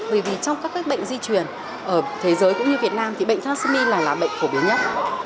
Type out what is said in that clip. bởi vì trong các bệnh di truyền ở thế giới cũng như việt nam thì bệnh thamin là bệnh phổ biến nhất